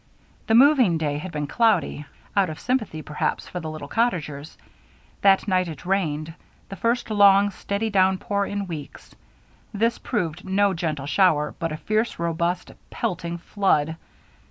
The moving day had been cloudy out of sympathy, perhaps, for the little cottagers. That night it rained, the first long, steady downpour in weeks. This proved no gentle shower, but a fierce, robust, pelting flood.